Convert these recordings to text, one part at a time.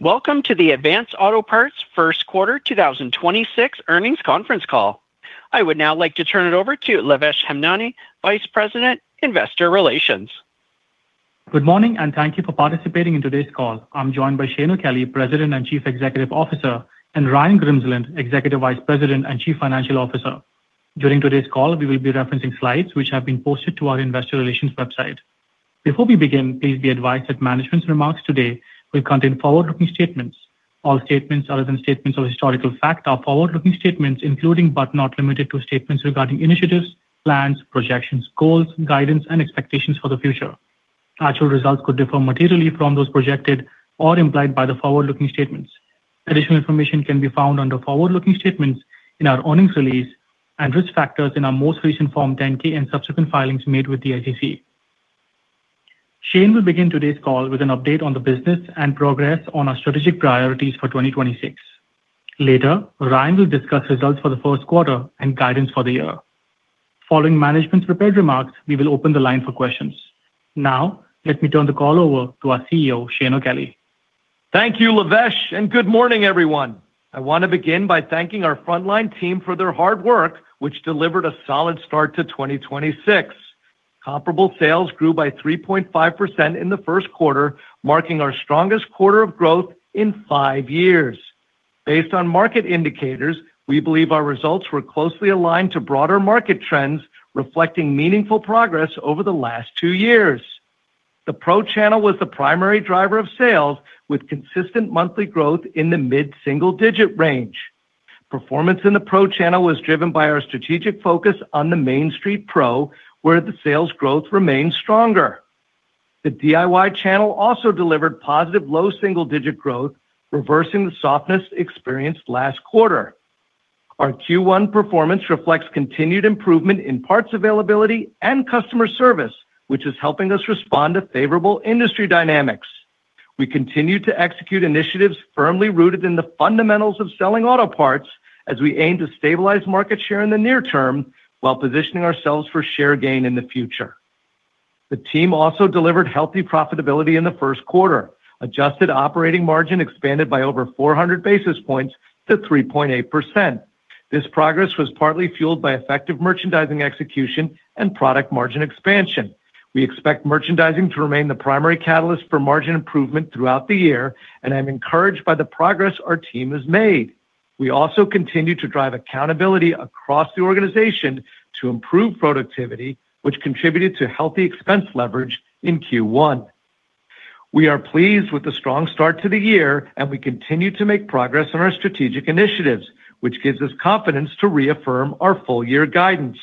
Welcome to the Advance Auto Parts Q1 2026 earnings conference call. I would now like to turn it over to Lavesh Hemnani, Vice President, Investor Relations. Good morning and thank you for participating in today's call. I'm joined by Shane O'Kelly, President and Chief Executive Officer, and Ryan Grimsland, Executive Vice President and Chief Financial Officer. During today's call, we will be referencing slides which have been posted to our investor relations website. Before we begin, please be advised that management's remarks today will contain forward-looking statements. All statements other than statements of historical fact are forward-looking statements, including but not limited to statements regarding initiatives, plans, projections, goals, guidance, and expectations for the future. Actual results could differ materially from those projected or implied by the forward-looking statements. Additional information can be found under forward-looking statements in our earnings release and risk factors in our most recent Form 10-K and subsequent filings made with the SEC. Shane will begin today's call with an update on the business and progress on our strategic priorities for 2026. Later, Ryan will discuss results for the Q1 and guidance for the year. Following management's prepared remarks, we will open the line for questions. Let me turn the call over to our CEO, Shane O'Kelly. Thank you, Lavesh, and good morning, everyone. I want to begin by thanking our frontline team for their hard work, which delivered a solid start to 2026. Comparable sales grew by 3.5% in theQ1, marking our strongest quarter of growth in five years. Based on market indicators, we believe our results were closely aligned to broader market trends, reflecting meaningful progress over the last two years. The Pro channel was the primary driver of sales, with consistent monthly growth in the mid-single-digit range. Performance in the Pro channel was driven by our strategic focus on the Main Street Pro, where the sales growth remains stronger. The DIY channel also delivered positive low double-digit growth, reversing the softness experienced last quarter. Our Q1 performance reflects continued improvement in parts availability and customer service, which is helping us respond to favorable industry dynamics. We continue to execute initiatives firmly rooted in the fundamentals of selling auto parts as we aim to stabilize market share in the near term while positioning ourselves for share gain in the future. The team also delivered healthy profitability in the Q1. Adjusted operating margin expanded by over 400 basis points to 3.8%. This progress was partly fueled by effective merchandising execution and product margin expansion. We expect merchandising to remain the primary catalyst for margin improvement throughout the year, and I'm encouraged by the progress our team has made. We also continue to drive accountability across the organization to improve productivity, which contributed to healthy expense leverage in Q1. We are pleased with the strong start to the year, and we continue to make progress on our strategic initiatives, which gives us confidence to reaffirm our full year guidance.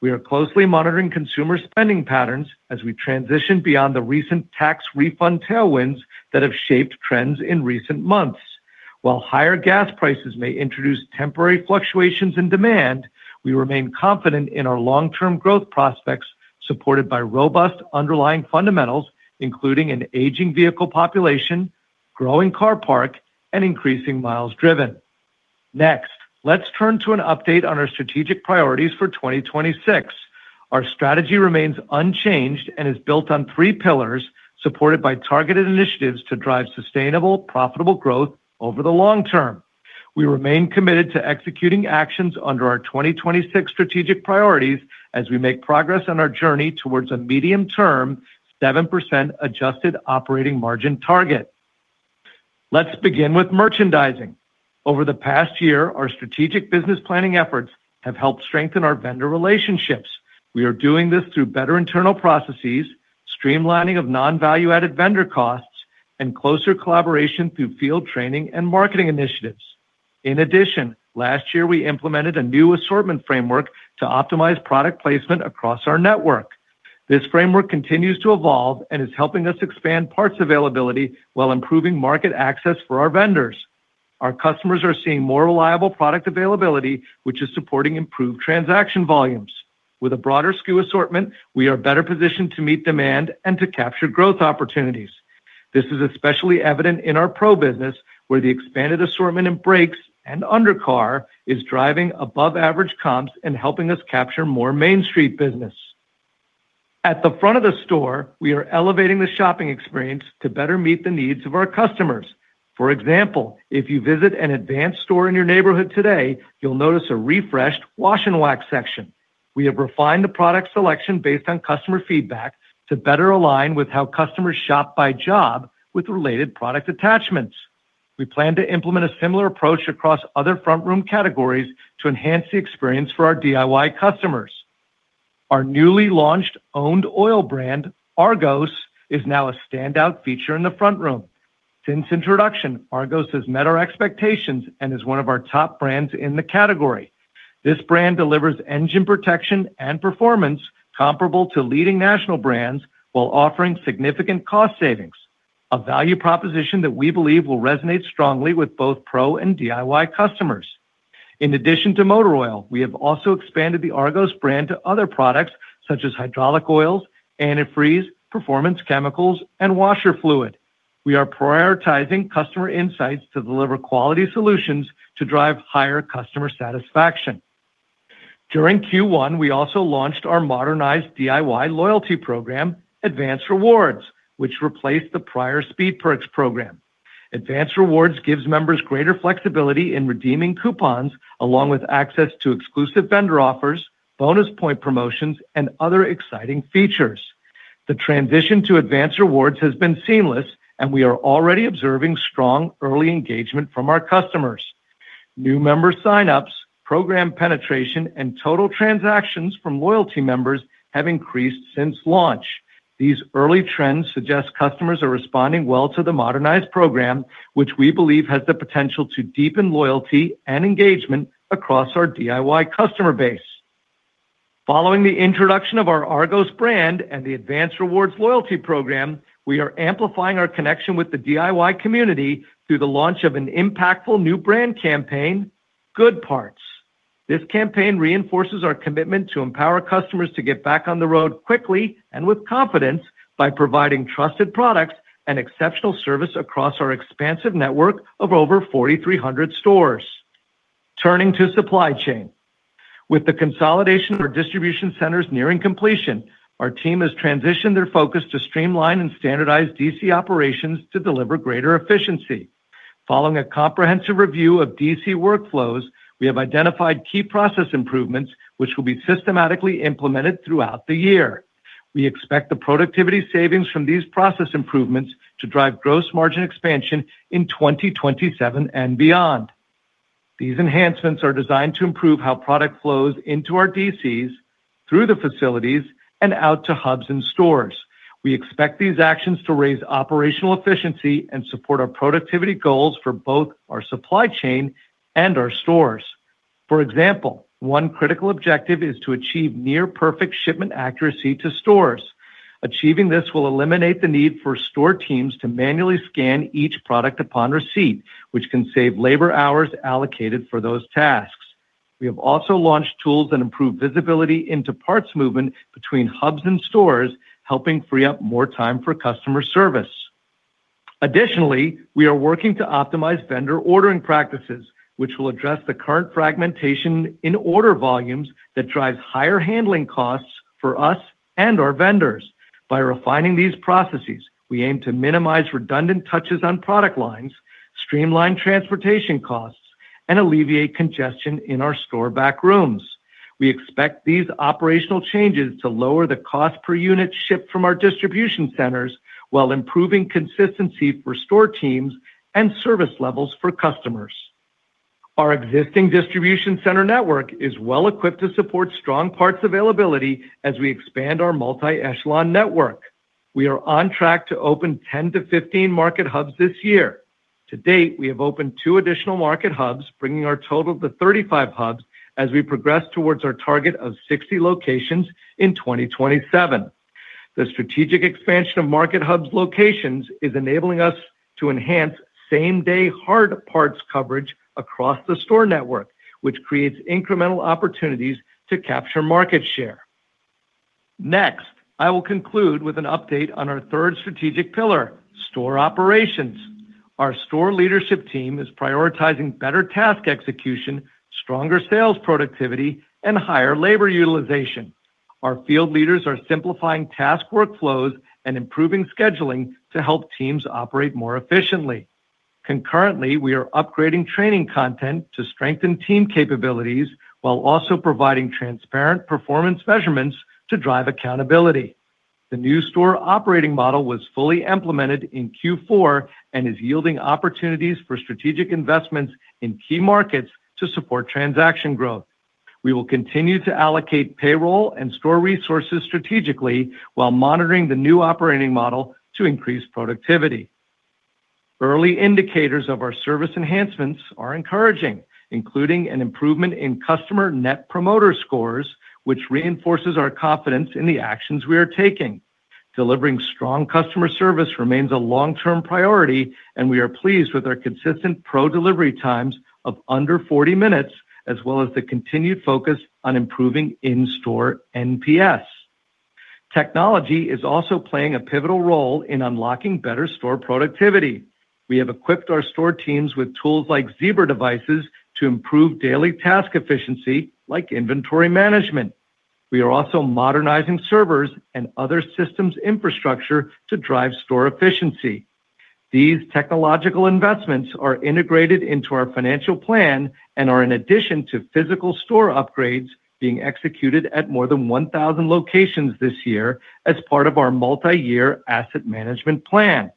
We are closely monitoring consumer spending patterns as we transition beyond the recent tax refund tailwinds that have shaped trends in recent months. While higher gas prices may introduce temporary fluctuations in demand, we remain confident in our long-term growth prospects, supported by robust underlying fundamentals, including an aging vehicle population, growing car park, and increasing miles driven. Next, let's turn to an update on our strategic priorities for 2026. Our strategy remains unchanged and is built on three pillars, supported by targeted initiatives to drive sustainable, profitable growth over the long term. We remain committed to executing actions under our 2026 strategic priorities as we make progress on our journey towards a medium-term seven percent adjusted operating margin target. Let's begin with merchandising. Over the past year, our strategic business planning efforts have helped strengthen our vendor relationships. We are doing this through better internal processes, streamlining of non-value-added vendor costs, and closer collaboration through field training and marketing initiatives. In addition, last year, we implemented a new assortment framework to optimize product placement across our network. This framework continues to evolve and is helping us expand parts availability while improving market access for our vendors. Our customers are seeing more reliable product availability, which is supporting improved transaction volumes. With a broader SKU assortment, we are better positioned to meet demand and to capture growth opportunities. This is especially evident in our pro business, where the expanded assortment in brakes and undercar is driving above-average comps and helping us capture more Main Street business. At the front of the store, we are elevating the shopping experience to better meet the needs of our customers. For example, if you visit an Advance store in your neighborhood today, you'll notice a refreshed wash and wax section. We have refined the product selection based on customer feedback to better align with how customers shop by job with related product attachments. We plan to implement a similar approach across other front-room categories to enhance the experience for our DIY customers. Our newly launched owned oil brand, ARGOS, is now a standout feature in the front room. Since introduction, ARGOS has met our expectations and is one of our top brands in the category. This brand delivers engine protection and performance comparable to leading national brands while offering significant cost savings, a value proposition that we believe will resonate strongly with both pro and DIY customers. In addition to motor oil, we have also expanded the Argos brand to other products such as hydraulic oils, antifreeze, performance chemicals, and washer fluid. We are prioritizing customer insights to deliver quality solutions to drive higher customer satisfaction. During Q1, we also launched our modernized DIY loyalty program, Advance Rewards, which replaced the prior Speed Perks program. Advance Rewards gives members greater flexibility in redeeming coupons, along with access to exclusive vendor offers, bonus point promotions, and other exciting features. The transition to Advance Rewards has been seamless. We are already observing strong early engagement from our customers. New member sign-ups, program penetration, and total transactions from loyalty members have increased since launch. These early trends suggest customers are responding well to the modernized program, which we believe has the potential to deepen loyalty and engagement across our DIY customer base. Following the introduction of our Argos brand and the Advance Rewards loyalty program, we are amplifying our connection with the DIY community through the launch of an impactful new brand campaign, Good Parts. This campaign reinforces our commitment to empower customers to get back on the road quickly and with confidence by providing trusted products and exceptional service across our expansive network of over 4,300 stores. Turning to supply chain. With the consolidation of our distribution centers nearing completion, our team has transitioned their focus to streamline and standardize DC operations to deliver greater efficiency. Following a comprehensive review of DC workflows, we have identified key process improvements, which will be systematically implemented throughout the year. We expect the productivity savings from these process improvements to drive gross margin expansion in 2027 and beyond. These enhancements are designed to improve how product flows into our DCs, through the facilities, and out to hubs and stores. We expect these actions to raise operational efficiency and support our productivity goals for both our supply chain and our stores. For example, one critical objective is to achieve near-perfect shipment accuracy to stores. Achieving this will eliminate the need for store teams to manually scan each product upon receipt, which can save labor hours allocated for those tasks. We have also launched tools that improve visibility into parts movement between hubs and stores, helping free up more time for customer service. Additionally, we are working to optimize vendor ordering practices, which will address the current fragmentation in order volumes that drives higher handling costs for us and our vendors. By refining these processes, we aim to minimize redundant touches on product lines, streamline transportation costs, and alleviate congestion in our store back rooms. We expect these operational changes to lower the cost per unit shipped from our distribution centers while improving consistency for store teams and service levels for customers. Our existing distribution center network is well-equipped to support strong parts availability as we expand our multi-echelon network. We are on track to open 10- 15 market hubs this year. To date, we have opened two additional market hubs, bringing our total to 35 hubs as we progress towards our target of 60 locations in 2027. The strategic expansion of market hubs locations is enabling us to enhance same day hard parts coverage across the store network, which creates incremental opportunities to capture market share. I will conclude with an update on our third strategic pillar, store operations. Our store leadership team is prioritizing better task execution, stronger sales productivity, and higher labor utilization. Our field leaders are simplifying task workflows and improving scheduling to help teams operate more efficiently. Concurrently, we are upgrading training content to strengthen team capabilities while also providing transparent performance measurements to drive accountability. The new store operating model was fully implemented in Q4 and is yielding opportunities for strategic investments in key markets to support transaction growth. We will continue to allocate payroll and store resources strategically while monitoring the new operating model to increase productivity. Early indicators of our service enhancements are encouraging, including an improvement in customer Net Promoter Scores, which reinforces our confidence in the actions we are taking. Delivering strong customer service remains a long-term priority, and we are pleased with our consistent pro delivery times of under 40 minutes, as well as the continued focus on improving in-store NPS. Technology is also playing a pivotal role in unlocking better store productivity. We have equipped our store teams with tools like Zebra devices to improve daily task efficiency, like inventory management. We are also modernizing servers and other systems infrastructure to drive store efficiency. These technological investments are integrated into our financial plan and are in addition to physical store upgrades being executed at more than 1,000 locations this year as part of our multi-year asset management plan.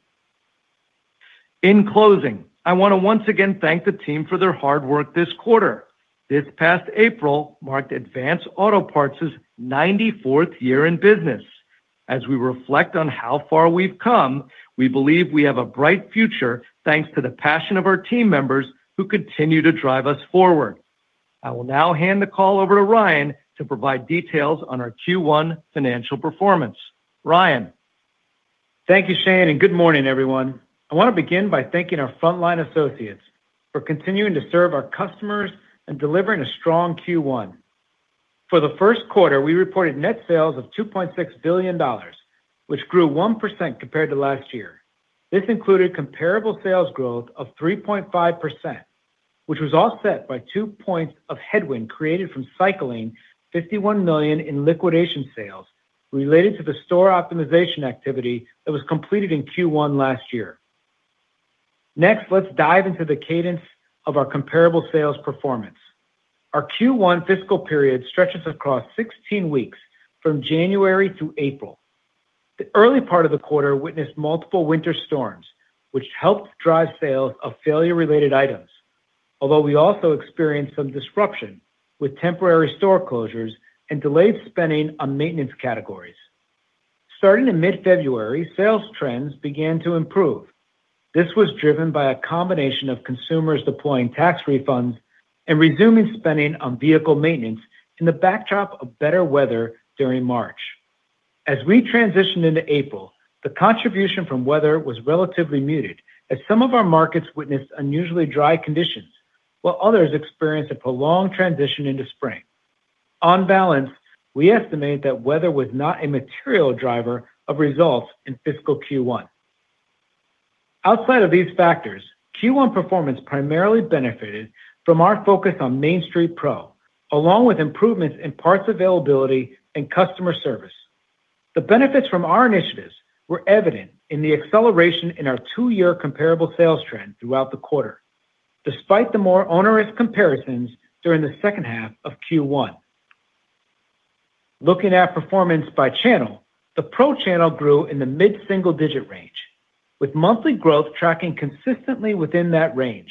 In closing, I want to once again thank the team for their hard work this quarter. This past April marked Advance Auto Parts' 94th year in business. As we reflect on how far we've come, we believe we have a bright future, thanks to the passion of our team members, who continue to drive us forward. I will now hand the call over to Ryan to provide details on our Q1 financial performance. Ryan. Thank you, Shane, and good morning, everyone. I want to begin by thanking our frontline associates for continuing to serve our customers and delivering a strong Q1. For the first quarter, we reported net sales of $2.6 billion. Which grew one percent compared to last year. This included comparable sales growth of 3.5%, which was offset by two points of headwind created from cycling $51 million in liquidation sales related to the store optimization activity that was completed in Q1 last year. Let's dive into the cadence of our comparable sales performance. Our Q1 fiscal period stretches across 16 weeks from January through April. The early part of the quarter witnessed multiple winter storms, which helped drive sales of failure-related items. We also experienced some disruption with temporary store closures and delayed spending on maintenance categories. Starting in mid-February, sales trends began to improve. This was driven by a combination of consumers deploying tax refunds and resuming spending on vehicle maintenance in the backdrop of better weather during March. As we transitioned into April, the contribution from weather was relatively muted as some of our markets witnessed unusually dry conditions, while others experienced a prolonged transition into spring. On balance, we estimate that weather was not a material driver of results in fiscal Q1. Outside of these factors, Q1 performance primarily benefited from our focus on Main Street Pro, along with improvements in parts availability and customer service. The benefits from our initiatives were evident in the acceleration in our two-year comparable sales trend throughout the quarter, despite the more onerous comparisons during the second half of Q1. Looking at performance by channel, the pro channel grew in the mid-single-digit range, with monthly growth tracking consistently within that range.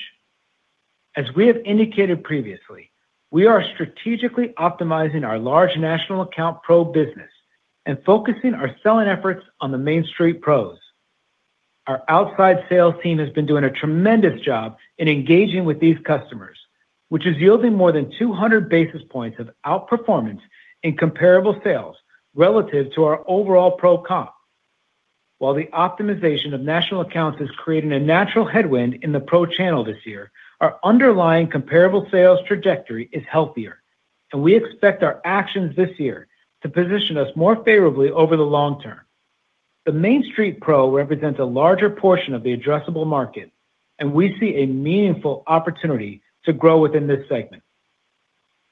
As we have indicated previously, we are strategically optimizing our large national account Pro business and focusing our selling efforts on the Main Street Pros. Our outside sales team has been doing a tremendous job in engaging with these customers, which is yielding more than 200 basis points of outperformance in comparable sales relative to our overall Pro comp. While the optimization of national accounts is creating a natural headwind in the Pro channel this year, our underlying comparable sales trajectory is healthier, and we expect our actions this year to position us more favorably over the long term. The Main Street Pro represents a larger portion of the addressable market, and we see a meaningful opportunity to grow within this segment.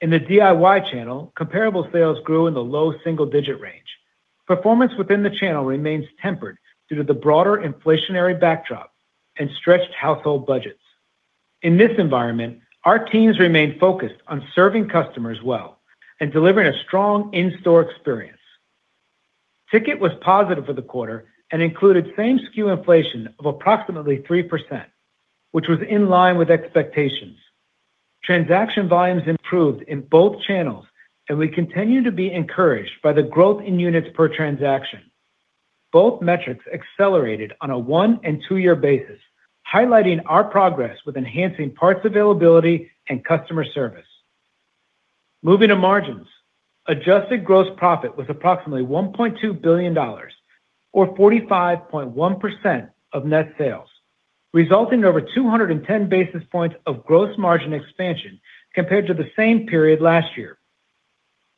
In the DIY channel, comparable sales grew in the low double-digit range. Performance within the channel remains tempered due to the broader inflationary backdrop and stretched household budgets. In this environment, our teams remain focused on serving customers well and delivering a strong in-store experience. Ticket was positive for the quarter and included same SKU inflation of approximately three percent, which was in line with expectations. Transaction volumes improved in both channels, and we continue to be encouraged by the growth in units per transaction. Both metrics accelerated on a one and two-year basis, highlighting our progress with enhancing parts availability and customer service. Moving to margins. Adjusted gross profit was approximately $1.2 billion, or 45.1% of net sales, resulting in over 210 basis points of gross margin expansion compared to the same period last year.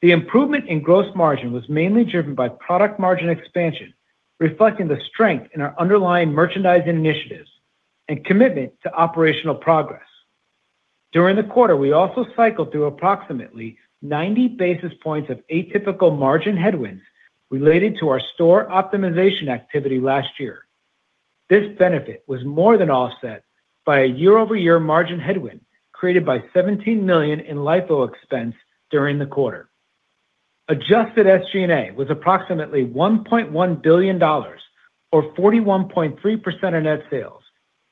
The improvement in gross margin was mainly driven by product margin expansion, reflecting the strength in our underlying merchandising initiatives and commitment to operational progress. During the quarter, we also cycled through approximately 90 basis points of atypical margin headwinds related to our store optimization activity last year. This benefit was more than offset by a year-over-year margin headwind created by $17 million in LIFO expense during the quarter. Adjusted SG&A was approximately $1.1 billion, or 41.3% of net sales,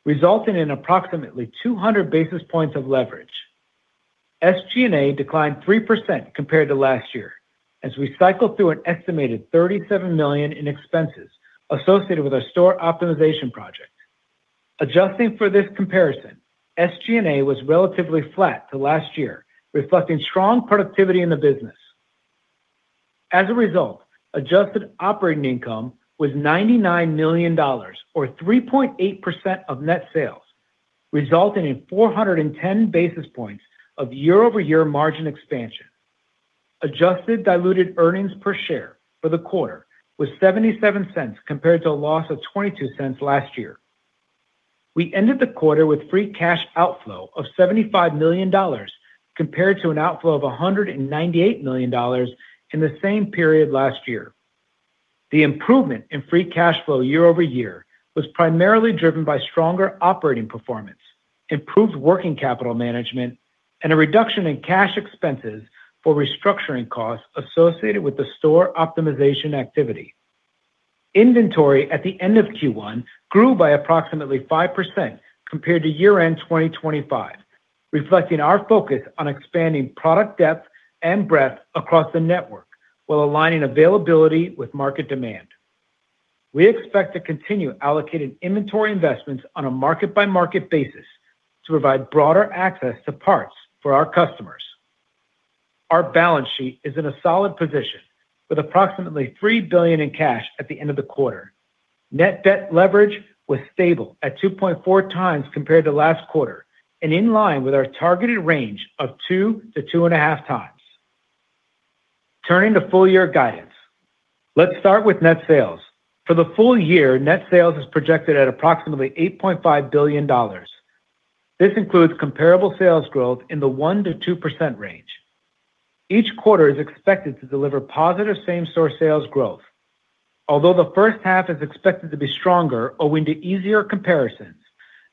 resulting in approximately 200 basis points of leverage. SG&A declined three percent compared to last year as we cycled through an estimated $37 million in expenses associated with our store optimization project. Adjusting for this comparison, SG&A was relatively flat to last year, reflecting strong productivity in the business. As a result, adjusted operating income was $99 million, or 3.8% of net sales, resulting in 410 basis points of year-over-year margin expansion. Adjusted diluted earnings per share for the quarter was $0.77 compared to a loss of $0.22 last year. We ended the quarter with free cash outflow of $75 million compared to an outflow of $198 million in the same period last year. The improvement in free cash flow year-over-year was primarily driven by stronger operating performance, improved working capital management, and a reduction in cash expenses for restructuring costs associated with the store optimization activity. Inventory at the end of Q1 grew by approximately five percent compared to year-end 2025, reflecting our focus on expanding product depth and breadth across the network while aligning availability with market demand. We expect to continue allocating inventory investments on a market-by-market basis to provide broader access to parts for our customers. Our balance sheet is in a solid position with approximately $3 billion in cash at the end of the quarter. Net debt leverage was stable at 2.4 times compared to last quarter, and in line with our targeted range of 2 - 2.5x. Turning to full year guidance. Let's start with net sales. For the full year, net sales is projected at approximately $8.5 billion. This includes comparable sales growth in the one -two percent range. Each quarter is expected to deliver positive same-store sales growth. Although the first half is expected to be stronger, owing to easier comparisons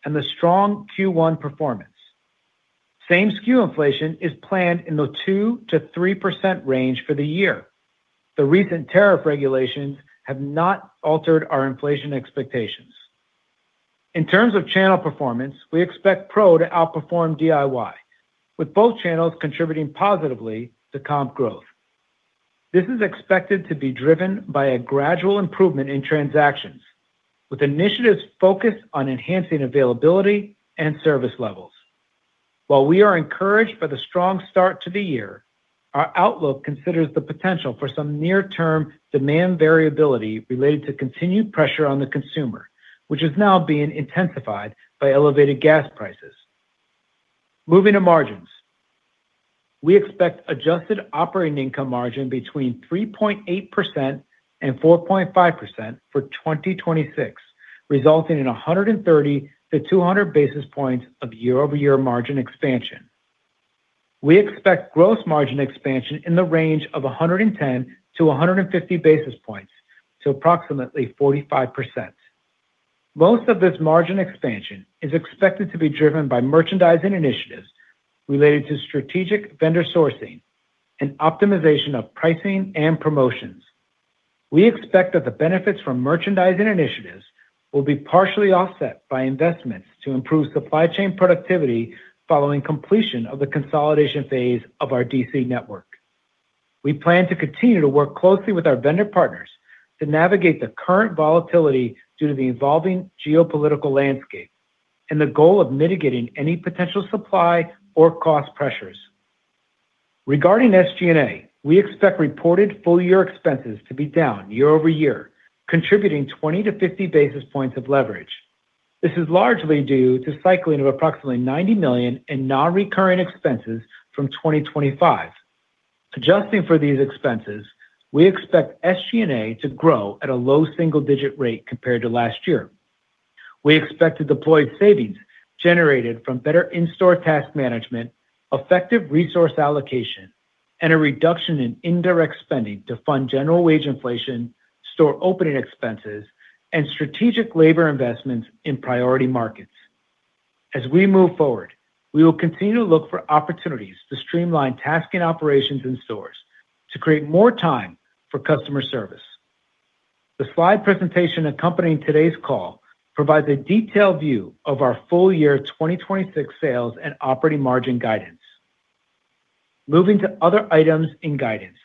and the strong Q1 performance. Same SKU inflation is planned in the two - three percent range for the year. The recent tariff regulations have not altered our inflation expectations. In terms of channel performance, we expect pro to outperform DIY, with both channels contributing positively to comp growth. This is expected to be driven by a gradual improvement in transactions, with initiatives focused on enhancing availability and service levels. While we are encouraged by the strong start to the year, our outlook considers the potential for some near-term demand variability related to continued pressure on the consumer, which is now being intensified by elevated gas prices. Moving to margins. We expect adjusted operating income margin between 3.8% and 4.5% for 2026, resulting in 130-200 basis points of year-over-year margin expansion. We expect gross margin expansion in the range of 110-150 basis points to approximately 45%. Most of this margin expansion is expected to be driven by merchandising initiatives related to strategic vendor sourcing and optimization of pricing and promotions. We expect that the benefits from merchandising initiatives will be partially offset by investments to improve supply chain productivity following completion of the consolidation phase of our DC network. We plan to continue to work closely with our vendor partners to navigate the current volatility due to the evolving geopolitical landscape and the goal of mitigating any potential supply or cost pressures. Regarding SG&A, we expect reported full year expenses to be down year-over-year, contributing 20-50 basis points of leverage. This is largely due to cycling of approximately $90 million in non-recurrent expenses from 2025. Adjusting for these expenses, we expect SG&A to grow at a low single-digit rate compared to last year. We expect the deployed savings generated from better in-store task management, effective resource allocation, and a reduction in indirect spending to fund general wage inflation, store opening expenses, and strategic labor investments in priority markets. As we move forward, we will continue to look for opportunities to streamline task and operations in stores to create more time for customer service. The slide presentation accompanying today's call provides a detailed view of our full year 2026 sales and operating margin guidance. Moving to other items in guidance.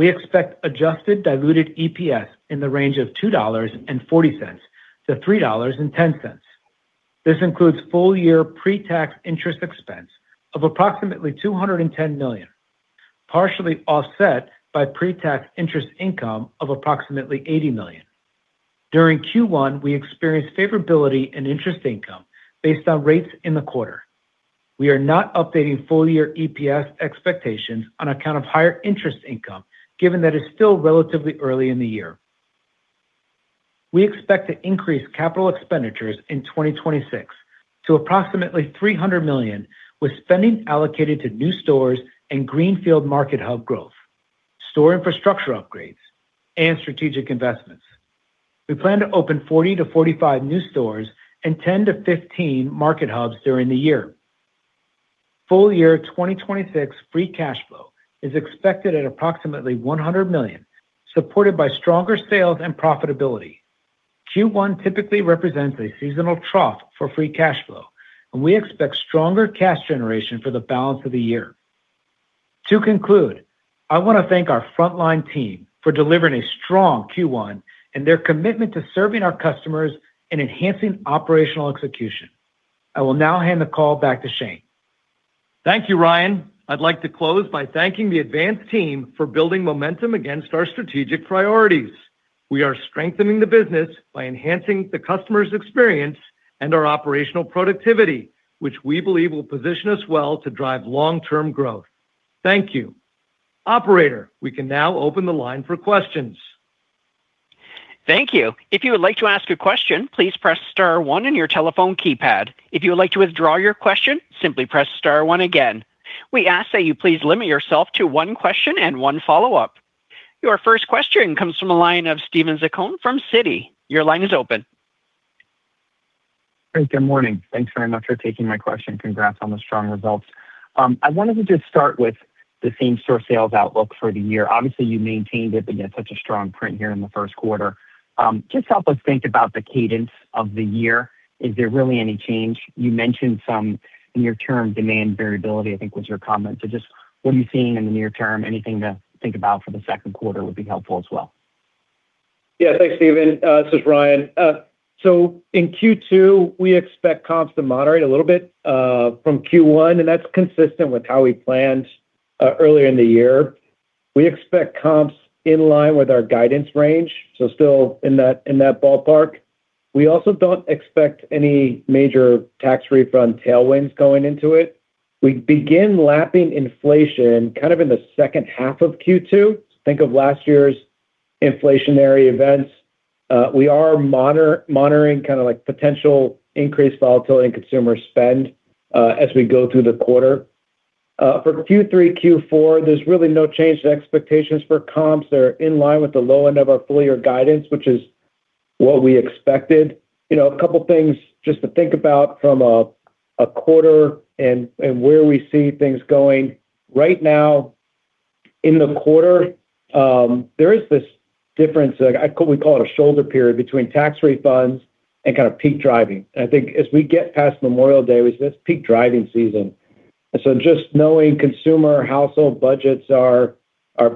We expect adjusted diluted EPS in the range of $2.40 to $3.10. This includes full year pre-tax interest expense of approximately $210 million, partially offset by pre-tax interest income of approximately $80 million. During Q1, we experienced favorability in interest income based on rates in the quarter. We are not updating full year EPS expectations on account of higher interest income, given that it's still relatively early in the year. We expect to increase capital expenditures in 2026 to approximately $300 million, with spending allocated to new stores and greenfield market hub growth, store infrastructure upgrades, and strategic investments. We plan to open 40-45 new stores and 10-15 market hubs during the year. Full year 2026 free cash flow is expected at approximately $100 million, supported by stronger sales and profitability. Q1 typically represents a seasonal trough for free cash flow, and we expect stronger cash generation for the balance of the year. To conclude, I want to thank our frontline team for delivering a strong Q1 and their commitment to serving our customers and enhancing operational execution. I will now hand the call back to Shane. Thank you, Ryan. I'd like to close by thanking the Advance team for building momentum against our strategic priorities. We are strengthening the business by enhancing the customer's experience and our operational productivity, which we believe will position us well to drive long-term growth. Thank you. Operator, we can now open the line for questions. Thank you. Your first question comes from the line of Steven Zaccone from Citi. Your line is open. Great. Good morning. Thanks very much for taking my question. Congrats on the strong results. I wanted to just start with the same-store sales outlook for the year. Obviously, you maintained it, but you had such a strong print here in the Q1. Just help us think about the cadence of the year. Is there really any change? You mentioned some near-term demand variability, I think was your comment. Just what are you seeing in the near term? Anything to think about for the Q2 would be helpful as well. Yeah, thanks, Steven. This is Ryan. In Q2, we expect comps to moderate a little bit from Q1, and that's consistent with how we planned earlier in the year. We expect comps in line with our guidance range, still in that ballpark. We also don't expect any major tax refund tailwinds going into it. We begin lapping inflation kind of in the second half of Q2, think of last year's inflationary events. We are monitoring kind of like potential increased volatility in consumer spend as we go through the quarter. For Q3, Q4, there's really no change to expectations for comps. They're in line with the low end of our full year guidance, which is what we expected. A couple things just to think about from a quarter and where we see things going. Right now in the quarter, there is this difference, we call it a shoulder period, between tax refunds and kind of peak driving. I think as we get past Memorial Day, it's peak driving season. Just knowing consumer household budgets are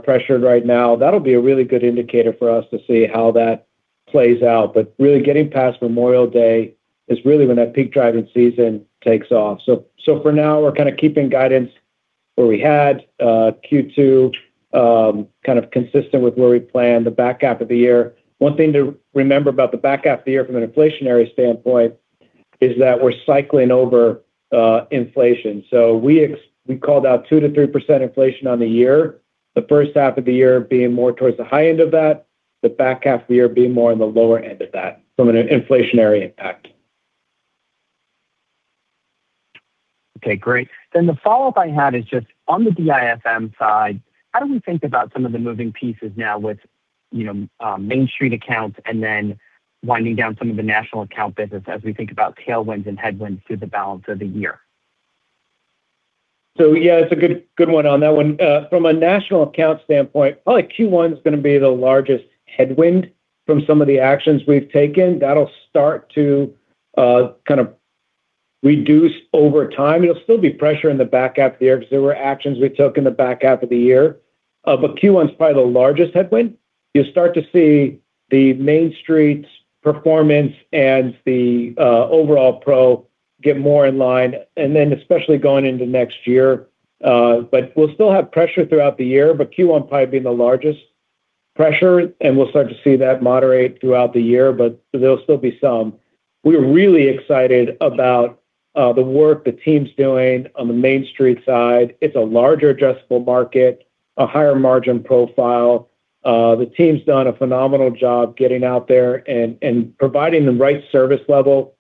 pressured right now, that'll be a really good indicator for us to see how that plays out. Really getting past Memorial Day is really when that peak driving season takes off. For now, we're kind of keeping guidance where we had Q2, kind of consistent with where we planned the back half of the year. One thing to remember about the back half of the year from an inflationary standpoint is that we're cycling over inflation. We called out two percent -three percent inflation on the year, the first half of the year being more towards the high end of that, the back half of the year being more on the lower end of that from an inflationary impact. Okay, great. The follow-up I had is just on the DIFM side, how do we think about some of the moving pieces now with Main Street accounts and then winding down some of the national account business as we think about tailwinds and headwinds through the balance of the year? Yeah, it's a good one on that one. From a national account standpoint, probably Q1 is going to be the largest headwind from some of the actions we've taken. That'll start to kind of reduce over time. It'll still be pressure in the back half of the year because there were actions we took in the back half of the year. Q1 is probably the largest headwind. You'll start to see the Main Street's performance and the overall Pro get more in line, and then especially going into next year. We'll still have pressure throughout the year, but Q1 probably being the largest pressure, and we'll start to see that moderate throughout the year, but there'll still be some. We're really excited about the work the team's doing on the Main Street side. It's a larger addressable market, a higher margin profile. The team's done a phenomenal job getting out there and providing the right service level,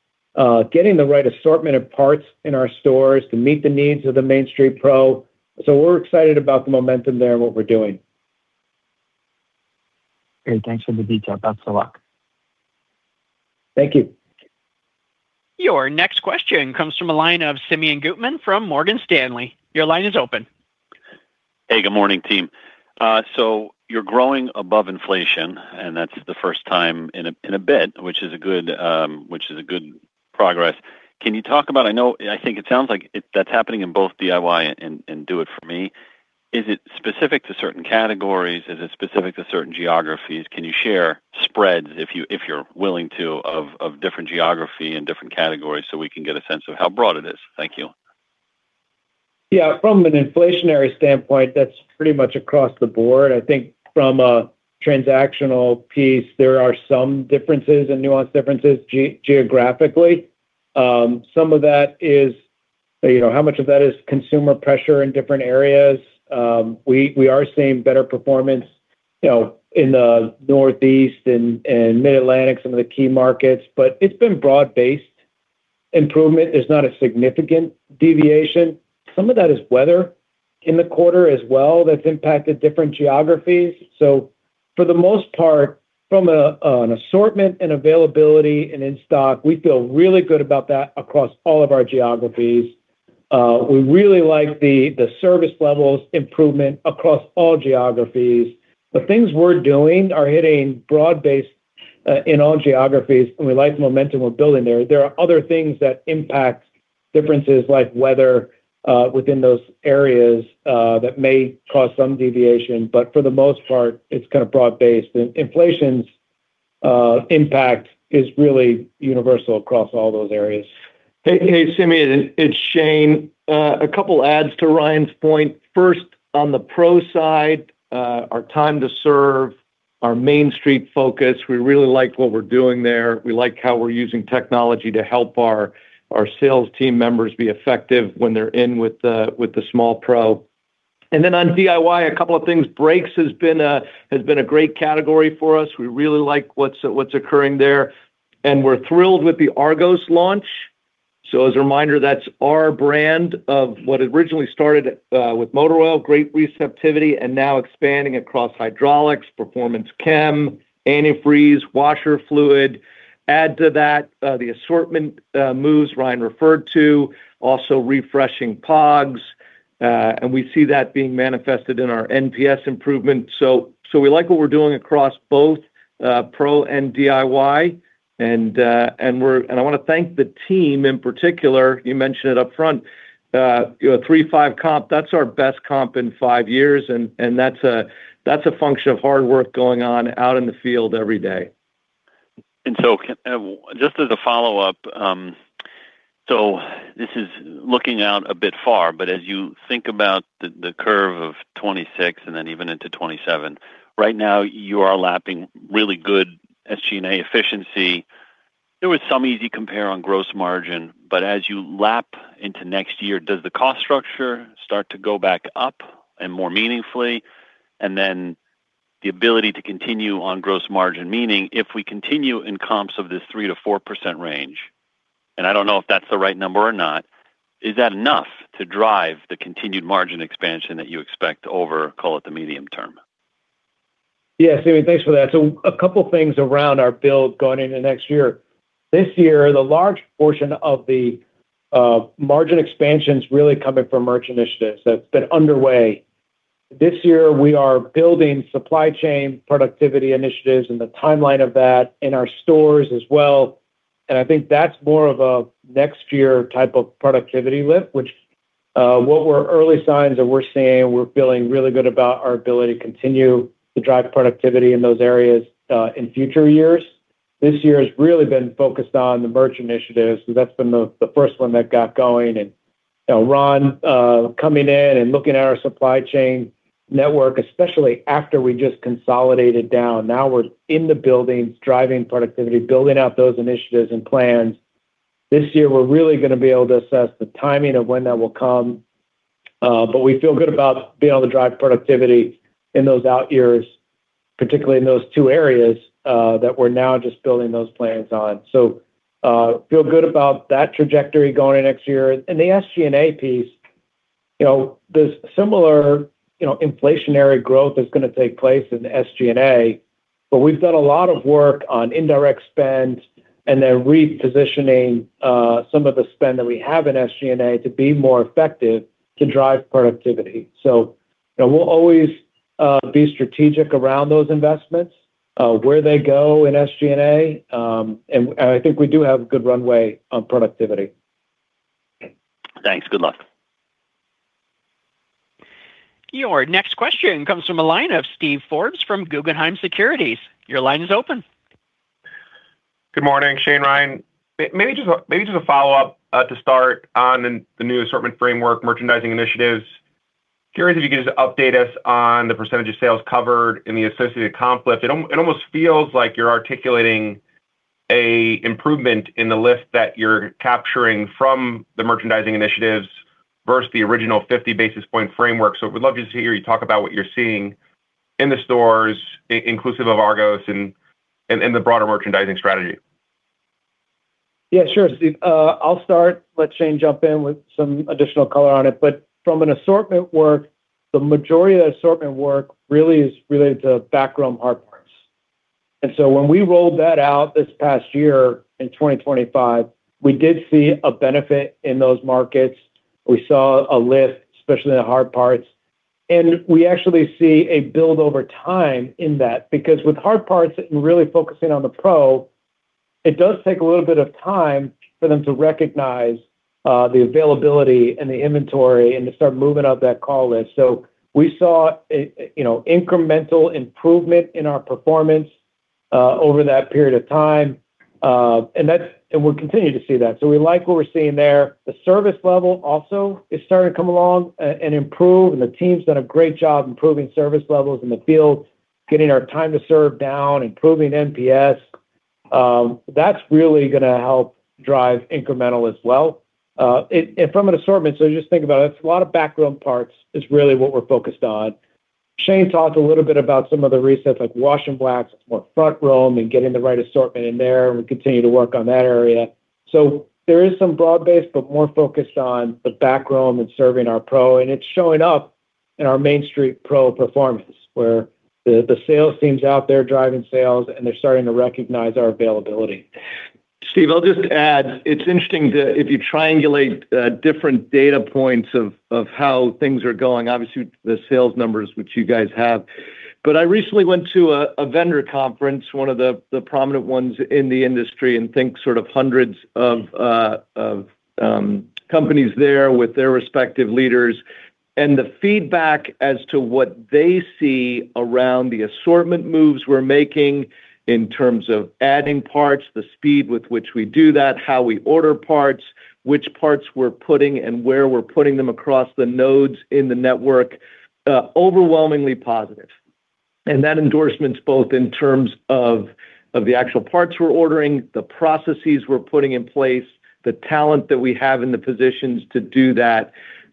getting the right assortment of parts in our stores to meet the needs of the Main Street Pro. We're excited about the momentum there and what we're doing. Great. Thanks for the detail. That's the luck. Thank you. Your next question comes from the line of Simeon Gutman from Morgan Stanley. Your line is open. Hey, good morning, team. You're growing above inflation, and that's the first time in a bit, which is good progress. Can you talk about, I think it sounds like that's happening in both DIY and Do It For Me. Is it specific to certain categories? Is it specific to certain geographies? Can you share spreads if you're willing to, of different geography and different categories so we can get a sense of how broad it is? Thank you. Yeah. From an inflationary standpoint, that's pretty much across the board. I think from a transactional piece, there are some differences and nuance differences geographically. Some of that is how much of that is consumer pressure in different areas. We are seeing better performance in the Northeast and Mid-Atlantic, some of the key markets, but it's been broad-based improvement. There's not a significant deviation. Some of that is weather in the quarter as well that's impacted different geographies. For the most part, from an assortment and availability and in stock, we feel really good about that across all of our geographies. We really like the service levels improvement across all geographies. The things we're doing are hitting broad-based in all geographies, and we like the momentum we're building there. There are other things that impact differences like weather within those areas that may cause some deviation, but for the most part, it's kind of broad based, and inflation's impact is really universal across all those areas. Hey, Simeon, it's Shane. A couple adds to Ryan's point. First, on the Pro side, our time to serve, our Main Street Pro focus, we really like what we're doing there. We like how we're using technology to help our sales team members be effective when they're in with the small Pro. Then on DIY, a couple of things. Brakes has been a great category for us. We really like what's occurring there, and we're thrilled with the ARGOS launch. As a reminder, that's our brand of what originally started with motor oil, great receptivity, and now expanding across hydraulics, performance chem, antifreeze, washer fluid. Add to that the assortment moves Ryan referred to, also refreshing POGs, we see that being manifested in our NPS improvement. We like what we're doing across both Pro and DIY, I want to thank the team in particular. You mentioned it up front, 3.5 comp, that's our best comp in five years, and that's a function of hard work going on out in the field every day. Just as a follow-up, this is looking out a bit far, but as you think about the curve of 2026 and then even into 2027, right now you are lapping really good SG&A efficiency. There was some easy compare on gross margin, as you lap into next year, does the cost structure start to go back up and more meaningfully? The ability to continue on gross margin, meaning if we continue in comps of this three percent-four percent range, and I don't know if that's the right number or not, is that enough to drive the continued margin expansion that you expect over, call it, the medium term? Simeon, thanks for that. A couple things around our build going into next year. This year, the large portion of the margin expansion's really coming from merch initiatives that's been underway. This year, we are building supply chain productivity initiatives and the timeline of that in our stores as well. I think that's more of a next year type of productivity lift, which what were early signs that we're seeing, we're feeling really good about our ability to continue to drive productivity in those areas, in future years. This year has really been focused on the merch initiatives. That's been the first one that got going, and Ron coming in and looking at our supply chain network, especially after we just consolidated down. Now we're in the buildings, driving productivity, building out those initiatives and plans. This year, we're really going to be able to assess the timing of when that will come. We feel good about being able to drive productivity in those out years, particularly in those two areas that we're now just building those plans on. Feel good about that trajectory going into next year. The SG&A piece, there's similar inflationary growth is going to take place in the SG&A, but we've done a lot of work on indirect spend and then repositioning some of the spend that we have in SG&A to be more effective to drive productivity. We'll always be strategic around those investments, where they go in SG&A, and I think we do have good runway on productivity. Okay. Thanks. Good luck. Your next question comes from the line of Steven Forbes from Guggenheim Securities. Your line is open. Good morning, Shane, Ryan. Maybe just a follow-up to start on the new assortment framework merchandising initiatives. Curious if you could just update us on the percentage of sales covered in the associated comp lift. It almost feels like you're articulating a improvement in the lift that you're capturing from the merchandising initiatives versus the original 50 basis point framework. Would love just to hear you talk about what you're seeing in the stores inclusive of ARGOS and in the broader merchandising strategy. Yeah, sure, Steve. I'll start, let Shane jump in with some additional color on it. From an assortment work, the majority of the assortment work really is related to back room hard parts. When we rolled that out this past year in 2025, we did see a benefit in those markets. We saw a lift, especially in the hard parts. We actually see a build over time in that, because with hard parts and really focusing on the pro, it does take a little bit of time for them to recognize the availability and the inventory and to start moving up that call list. We saw incremental improvement in our performance over that period of time. We'll continue to see that. We like what we're seeing there. The service level also is starting to come along and improve. The team's done a great job improving service levels in the field, getting our time to serve down, improving NPS. That's really going to help drive incremental as well. From an assortment, just think about it's a lot of back room parts is really what we're focused on. Shane talked a little bit about some of the resets like wash and wax, more front room and getting the right assortment in there. We continue to work on that area. There is some broad base, but more focused on the back room and serving our Pro, and it's showing up in our Main Street Pro performance where the sales team's out there driving sales and they're starting to recognize our availability. Steve, I'll just add, it's interesting that if you triangulate different data points of how things are going, obviously the sales numbers which you guys have. I recently went to a vendor conference, one of the prominent ones in the industry, and think sort of hundreds of companies there with their respective leaders. The feedback as to what they see around the assortment moves we're making in terms of adding parts, the speed with which we do that, how we order parts, which parts we're putting and where we're putting them across the nodes in the network, overwhelmingly positive. That endorsement's both in terms of the actual parts we're ordering, the processes we're putting in place, the talent that we have in the positions to do that.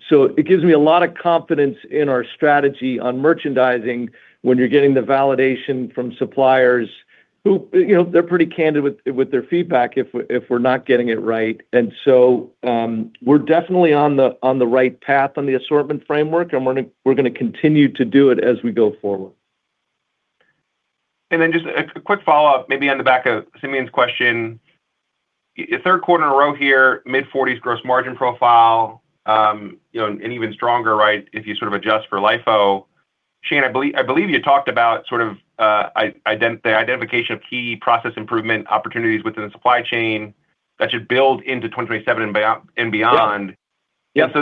It gives me a lot of confidence in our strategy on merchandising when you're getting the validation from suppliers who they're pretty candid with their feedback if we're not getting it right. We're definitely on the right path on the assortment framework, and we're going to continue to do it as we go forward. Just a quick follow-up maybe on the back of Simeon's question. Q3 in a row here, mid-40s gross margin profile, and even stronger, right, if you sort of adjust for LIFO. Shane, I believe you talked about sort of the identification of key process improvement opportunities within the supply chain that should build into 2027 and beyond-Yeah.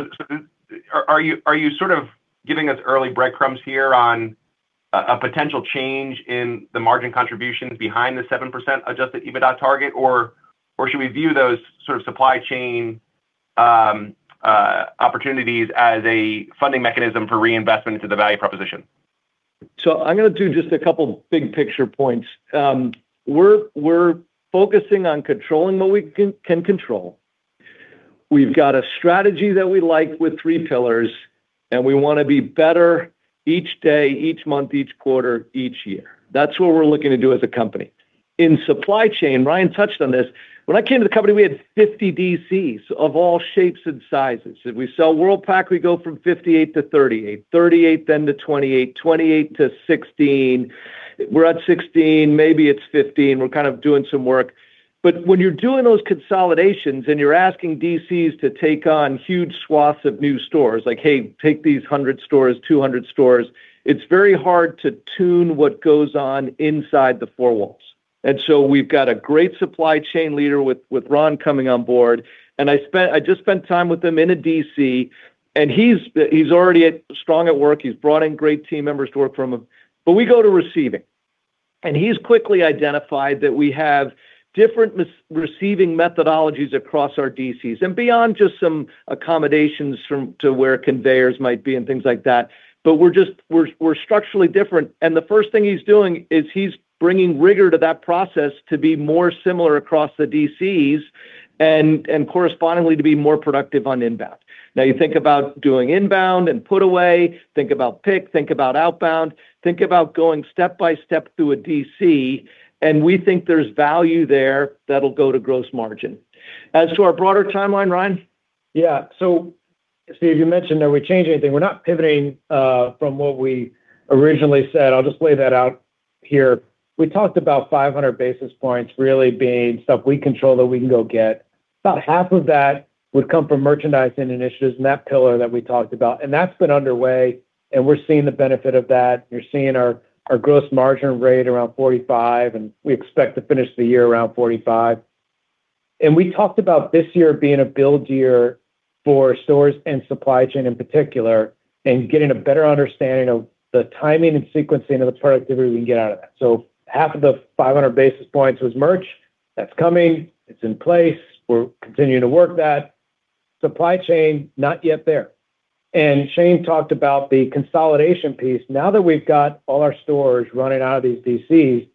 Are you sort of giving us early breadcrumbs here on a potential change in the margin contributions behind the seven percentadjusted EBITDA target, or should we view those sort of supply chain opportunities as a funding mechanism for reinvestment into the value proposition? I'm going to do just a couple big picture points. We're focusing on controlling what we can control. We've got a strategy that we like with three pillars, and we want to be better each day, each month, each quarter, each year. That's what we're looking to do as a company. In supply chain, Ryan touched on this, when I came to the company, we had 50 DCs of all shapes and sizes. If we sell Worldpac, we go from 58 -38 then to 28 -16. We're at 16, maybe it's 15. We're kind of doing some work. When you're doing those consolidations and you're asking DCs to take on huge swaths of new stores, like, "Hey, take these 100 stores, 200 stores," it's very hard to tune what goes on inside the four walls. We've got a great supply chain leader with Ron coming on board. I just spent time with him in a DC, and he's already strong at work. He's brought in great team members to work for him. We go to receiving, and he's quickly identified that we have different receiving methodologies across our DCs, and beyond just some accommodations to where conveyors might be and things like that, but we're structurally different. The first thing he's doing is he's bringing rigor to that process to be more similar across the DCs and correspondingly to be more productive on inbound. Now you think about doing inbound and put away, think about pick, think about outbound, think about going step by step through a DC, and we think there's value there that'll go to gross margin. As to our broader timeline, Ryan? Yeah. Steve, you mentioned, are we changing anything? We're not pivoting from what we originally said. I'll just lay that out here. We talked about 500 basis points really being stuff we control that we can go get. About half of that would come from merchandising initiatives and that pillar that we talked about, and that's been underway, and we're seeing the benefit of that. You're seeing our gross margin rate around 45%, and we expect to finish the year around 45%. We talked about this year being a build year for stores and supply chain in particular, and getting a better understanding of the timing and sequencing of the productivity we can get out of that. Half of the 500 basis points was merch. That's coming. It's in place. We're continuing to work that. Supply chain, not yet there. Shane talked about the consolidation piece. Now that we've got all our stores running out of these DCs,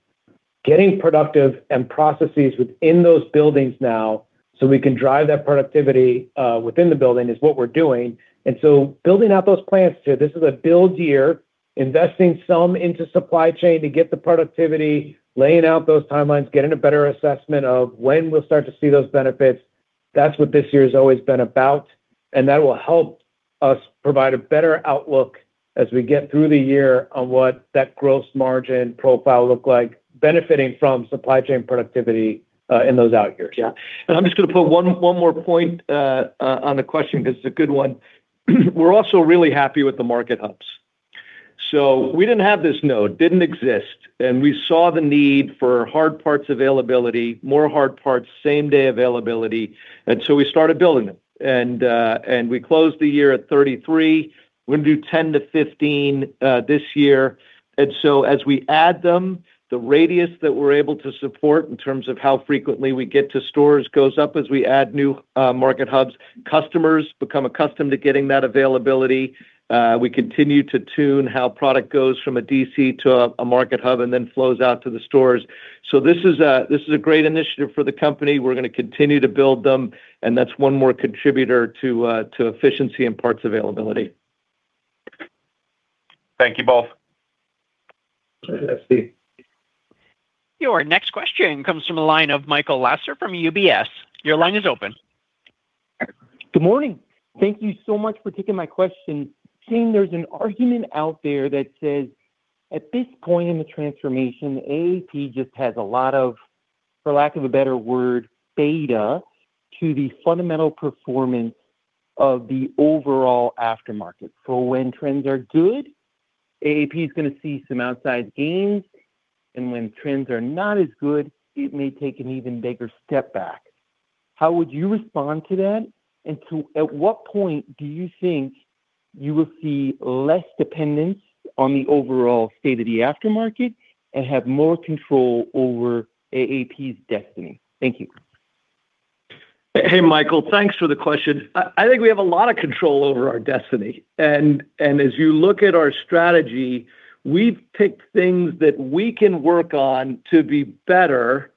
getting productive and processes within those buildings now, so we can drive that productivity within the building is what we're doing. Building out those plans too, this is a build year, investing some into supply chain to get the productivity, laying out those timelines, getting a better assessment of when we'll start to see those benefits. That's what this year has always been about, and that will help us provide a better outlook as we get through the year on what that gross margin profile look like, benefiting from supply chain productivity in those out years. Yeah. I'm just going to put one more point on the question because it's a good one. We're also really happy with the market hubs. We didn't have this node, didn't exist, we saw the need for hard parts availability, more hard parts, same day availability, we started building them. We closed the year at 33. We're going to do 10 -15 this year. As we add them, the radius that we're able to support in terms of how frequently we get to stores goes up as we add new market hubs. Customers become accustomed to getting that availability. We continue to tune how product goes from a DC to a market hub and then flows out to the stores. This is a great initiative for the company. We're going to continue to build them, and that's one more contributor to efficiency and parts availability. Thank you both. Thanks, Steven. Your next question comes from the line of Michael Lasser from UBS. Your line is open. Good morning. Thank you so much for taking my question. Shane, there's an argument out there that says at this point in the transformation, AAP just has a lot of, for lack of a better word, beta to the fundamental performance of the overall aftermarket. When trends are good, AAP is going to see some outsized gains, and when trends are not as good, it may take an even bigger step back. How would you respond to that? At what point do you think you will see less dependence on the overall state of the aftermarket and have more control over AAP's destiny? Thank you. Hey, Michael. Thanks for the question. I think we have a lot of control over our destiny. As you look at our strategy, we've picked things that we can work on to be better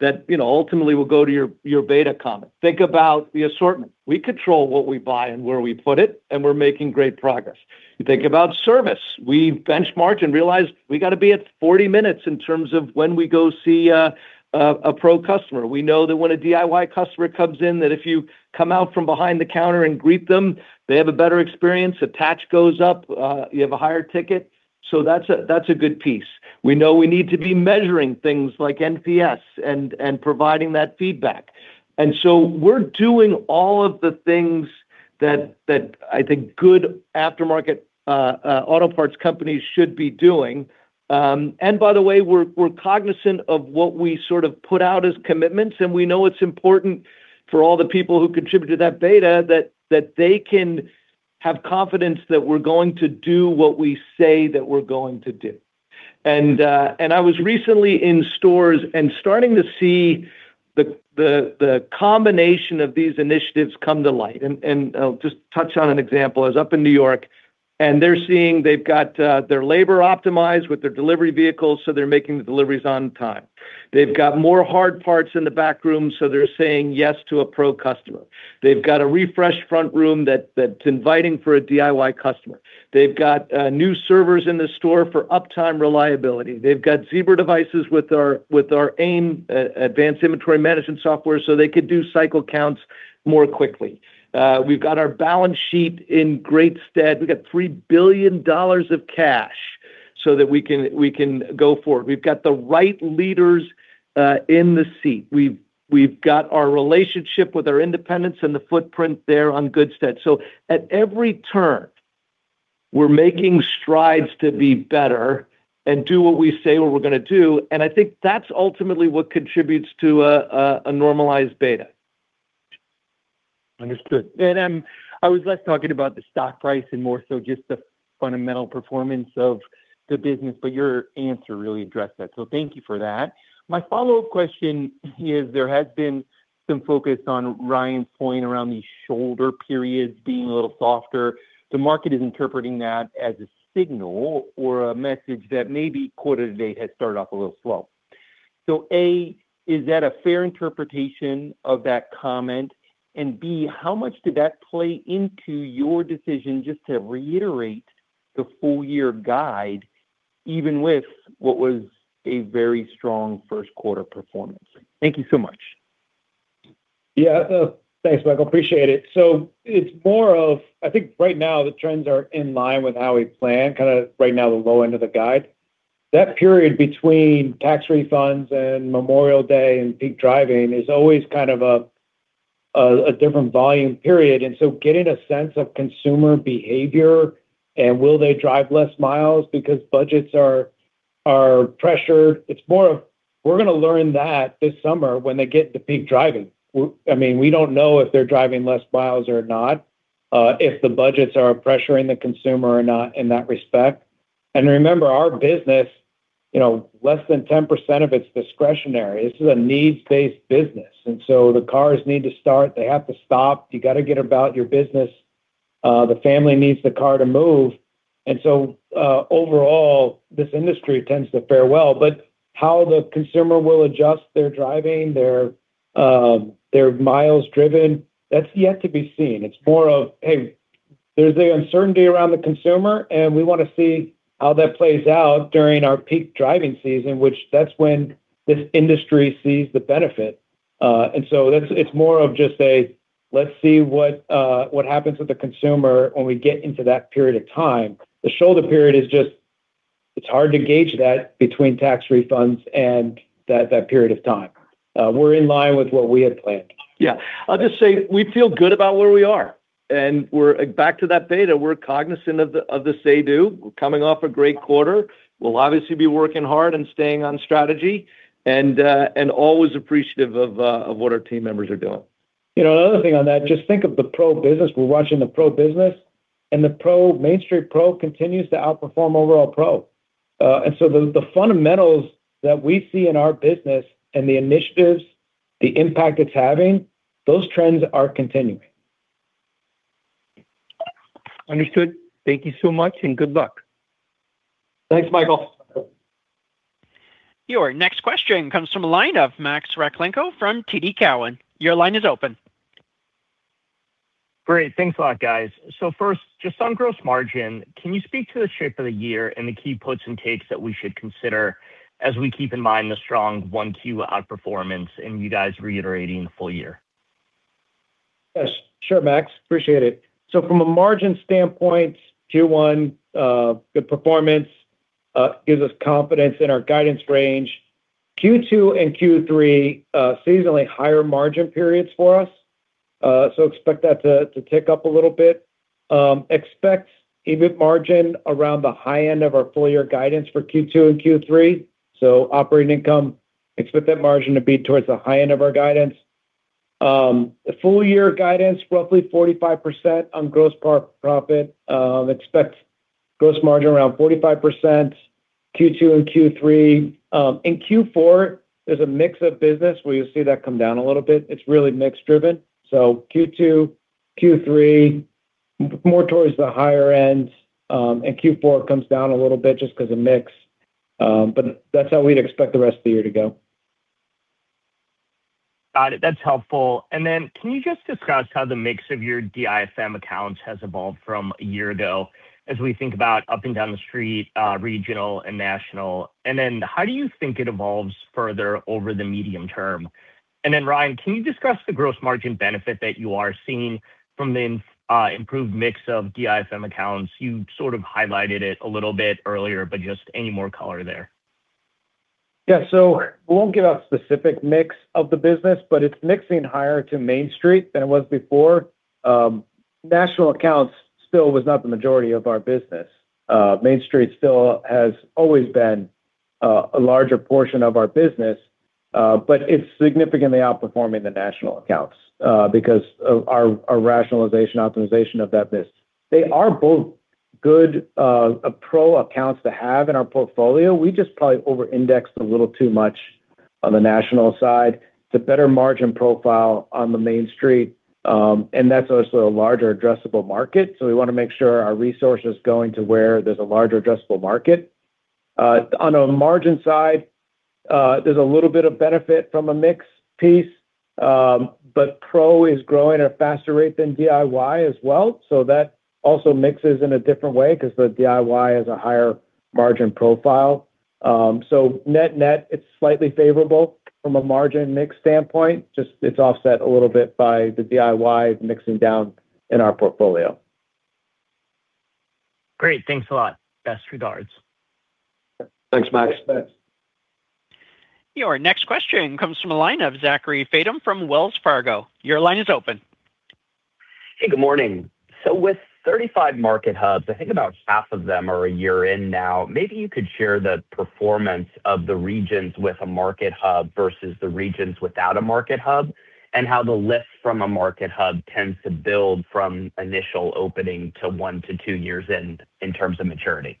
that ultimately will go to your beta comment. Think about the assortment. We control what we buy and where we put it, and we're making great progress. You think about service. We benchmarked and realized we got to be at 40 minutes in terms of when we go see a Pro customer. We know that when a DIY customer comes in, that if you come out from behind the counter and greet them, they have a better experience, attach goes up, you have a higher ticket. That's a good piece. We know we need to be measuring things like NPS and providing that feedback. We're doing all of the things that I think good aftermarket auto parts companies should be doing. By the way, we're cognizant of what we sort of put out as commitments, and we know it's important for all the people who contribute to that beta that they can. Have confidence that we're going to do what we say that we're going to do. I was recently in stores and starting to see the combination of these initiatives come to light. I'll just touch on an example. I was up in N.Y., and they're seeing they've got their labor optimized with their delivery vehicles, so they're making the deliveries on time. They've got more hard parts in the back room, so they're saying yes to a pro customer. They've got a refreshed front room that's inviting for a DIY customer. They've got new servers in the store for uptime reliability. They've got Zebra devices with our AIM, Advanced Inventory Management software, so they could do cycle counts more quickly. We've got our balance sheet in great stead. We've got $3 billion of cash so that we can go forward. We've got the right leaders in the seat. We've got our relationship with our independents and the footprint there on good stead. At every turn, we're making strides to be better and do what we say what we're going to do, and I think that's ultimately what contributes to a normalized beta. Understood. I was less talking about the stock price and more so just the fundamental performance of the business, your answer really addressed that, thank you for that. My follow-up question is, there has been some focus on Ryan's point around these shoulder periods being a little softer. The market is interpreting that as a signal or a message that maybe quarter to date has started off a little slow. A, is that a fair interpretation of that comment, and B, how much did that play into your decision just to reiterate the full-year guide, even with what was a very strong Q1 performance? Thank you so much. Yeah. Thanks, Michael. Appreciate it. It's more of, I think right now, the trends are in line with how we plan, kind of right now, the low end of the guide. That period between tax refunds and Memorial Day and peak driving is always kind of a different volume period. Getting a sense of consumer behavior and will they drive less miles because budgets are pressured, it's more of we're going to learn that this summer when they get to peak driving. We don't know if they're driving less miles or not, if the budgets are pressuring the consumer or not in that respect. Remember, our business, less than 10% of it's discretionary. This is a needs-based business. The cars need to start, they have to stop. You got to get about your business. The family needs the car to move. Overall, this industry tends to fare well, but how the consumer will adjust their driving, their miles driven, that's yet to be seen. It's more of, hey, there's an uncertainty around the consumer, and we want to see how that plays out during our peak driving season, which that's when this industry sees the benefit. It's more of just a, let's see what happens with the consumer when we get into that period of time. The shoulder period is just, it's hard to gauge that between tax refunds and that period of time. We're in line with what we had planned. Yeah. I'll just say we feel good about where we are, and we're back to that beta. We're cognizant of the say/do. We're coming off a great quarter. We'll obviously be working hard and staying on strategy and always appreciative of what our team members are doing. Another thing on that, just think of the Pro business. We're watching the Pro business, and the Main Street Pro continues to outperform overall Pro. The fundamentals that we see in our business and the initiatives, the impact it's having, those trends are continuing. Understood. Thank you so much, and good luck. Thanks, Michael. Your next question comes from the line of Max Rakhlenko from TD Cowen. Your line is open. Great. Thanks a lot, guys. First, just on gross margin, can you speak to the shape of the year and the key puts and takes that we should consider as we keep in mind the strong one - two outperformance and you guys reiterating the full year? Yes. Sure, Max. Appreciate it. From a margin standpoint, Q1, good performance gives us confidence in our guidance range. Q2 and Q3, seasonally higher margin periods for us, expect that to tick up a little bit. Expect EBIT margin around the high end of our full-year guidance for Q2 and Q3, operating income, expect that margin to be towards the high end of our guidance. The full-year guidance, roughly 45% on gross profit. Expect gross margin around 45%, Q2 and Q3. In Q4, there's a mix of business where you'll see that come down a little bit. It's really mix-driven. Q2, Q3, more towards the higher end, and Q4 comes down a little bit just because of mix. That's how we'd expect the rest of the year to go. Got it. That's helpful. Can you just discuss how the mix of your DIFM accounts has evolved from a year ago as we think about up and down the street, regional and national? How do you think it evolves further over the medium term? Ryan, can you discuss the gross margin benefit that you are seeing from the improved mix of DIFM accounts? You sort of highlighted it a little bit earlier, but just any more color there? Yeah. We won't give out specific mix of the business, but it's mixing higher to Main Street than it was before. National accounts still was not the majority of our business. Main Street still has always been a larger portion of our business, but it's significantly outperforming the national accounts because of our rationalization, optimization of that business. They are both good pro accounts to have in our portfolio. We just probably over-indexed a little too much on the national side. It's a better margin profile on the Main Street, and that's also a larger addressable market. We want to make sure our resource is going to where there's a larger addressable market. On a margin side, there's a little bit of benefit from a mix piece. Pro is growing at a faster rate than DIY as well, so that also mixes in a different way because the DIY is a higher margin profile. Net-net, it's slightly favorable from a margin mix standpoint. Just it's offset a little bit by the DIY mixing down in our portfolio. Great. Thanks a lot. Best regards. Thanks, Max. Thanks. Your next question comes from the line of Zachary Fadem from Wells Fargo. Your line is open. Hey, good morning. With 35 market hubs, I think about half of them are a year in now. Maybe you could share the performance of the regions with a market hub versus the regions without a market hub, and how the lift from a market hub tends to build from initial opening to one to two years in terms of maturity.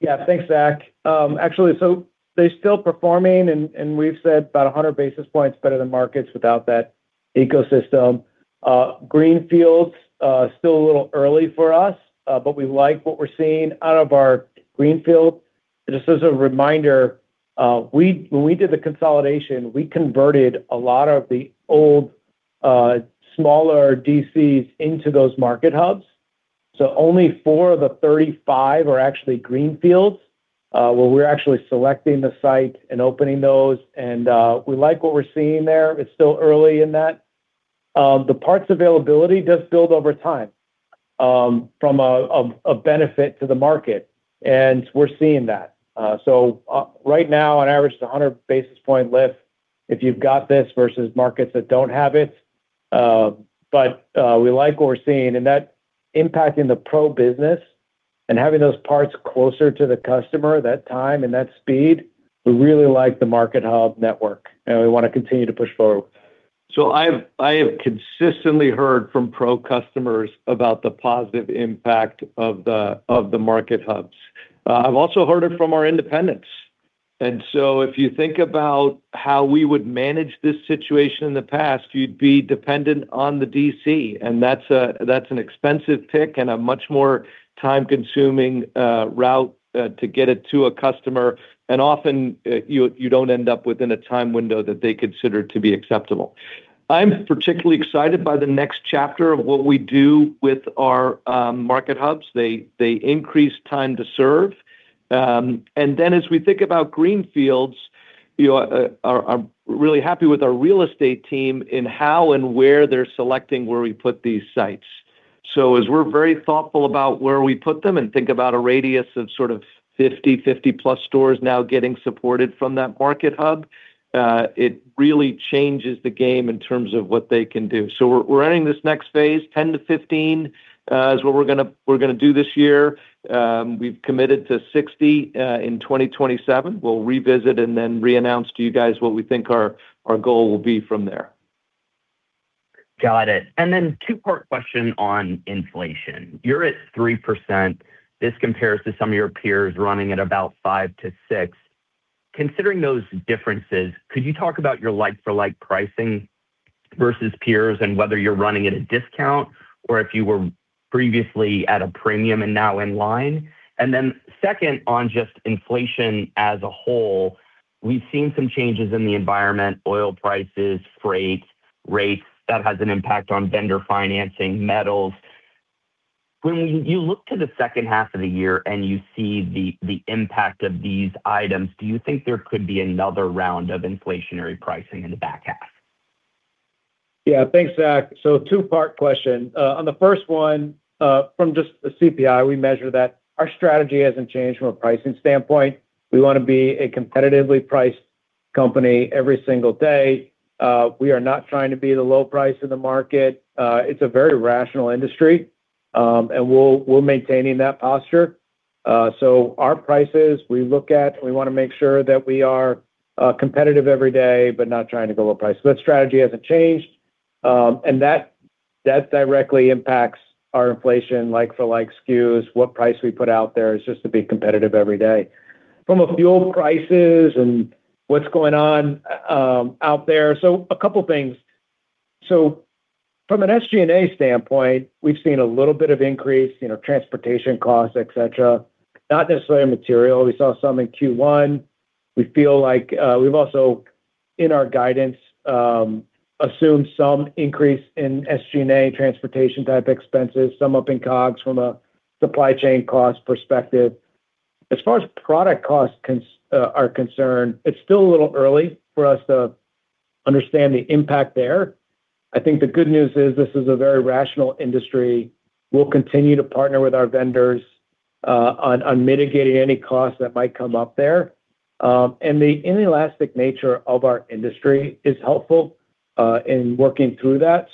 Yeah, thanks, Zach. Actually, they're still performing and we've said about 100 basis points better than markets without that ecosystem. Greenfields, still a little early for us, but we like what we're seeing out of our greenfield. Just as a reminder, when we did the consolidation, we converted a lot of the old, smaller DCs into those market hubs. Only four of the 35 are actually greenfields, where we're actually selecting the site and opening those, and we like what we're seeing there. It's still early in that. The parts availability does build over time from a benefit to the market, and we're seeing that. Right now, on average, it's 100 basis point lift if you've got this versus markets that don't have it. We like what we're seeing, and that impacting the Pro business and having those parts closer to the customer, that time and that speed, we really like the market hub network, and we want to continue to push forward. I have consistently heard from Pro customers about the positive impact of the market hubs. I've also heard it from our independents. If you think about how we would manage this situation in the past, you'd be dependent on the DC, and that's an expensive pick and a much more time-consuming route to get it to a customer. Often, you don't end up within a time window that they consider to be acceptable. I'm particularly excited by the next chapter of what we do with our market hubs. They increase time to serve. As we think about greenfields, I'm really happy with our real estate team in how and where they're selecting where we put these sites. As we're very thoughtful about where we put them and think about a radius of sort of 50-plus stores now getting supported from that market hub, it really changes the game in terms of what they can do. We're entering this next phase, 10 to 15 is what we're going to do this year. We've committed to 60 in 2027. We'll revisit and then re-announce to you guys what we think our goal will be from there. Got it. Then two-part question on inflation. You're at three percent. This compares to some of your peers running at about five-six percent. Considering those differences, could you talk about your like-for-like pricing versus peers and whether you're running at a discount or if you were previously at a premium and now in line? Then second on just inflation as a whole, we've seen some changes in the environment, oil prices, freight rates that has an impact on vendor financing, metals. When you look to the second half of the year and you see the impact of these items, do you think there could be another round of inflationary pricing in the back half? Yeah, thanks, Zach. Two-part question. On the first one, from just the CPI, we measure that our strategy hasn't changed from a pricing standpoint. We want to be a competitively priced company every single day. We are not trying to be the low price in the market. It's a very rational industry, and we're maintaining that posture. Our prices, we look at, we want to make sure that we are competitive every day, but not trying to go low price. That strategy hasn't changed. That directly impacts our inflation like-for-like SKUs. What price we put out there is just to be competitive every day. From a fuel prices and what's going on out there, so a couple things. From an SG&A standpoint, we've seen a little bit of increase, transportation costs, et cetera, not necessarily on material. We saw some in Q1. We feel like we've also, in our guidance, assumed some increase in SG&A transportation type expenses, some up in COGS from a supply chain cost perspective. As far as product costs are concerned, it's still a little early for us to understand the impact there. I think the good news is this is a very rational industry. We'll continue to partner with our vendors on mitigating any costs that might come up there. The inelastic nature of our industry is helpful in working through that.